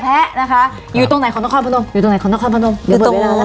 แพะนะคะอยู่ตรงไหนของนครพนมอยู่ตรงไหนของนครพนมอยู่ตรงนั้น